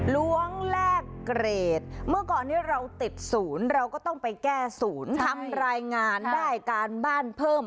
ล้วงแลกเกรดเมื่อก่อนนี้เราติดศูนย์เราก็ต้องไปแก้ศูนย์ทำรายงานได้การบ้านเพิ่ม